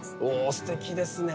すてきですね。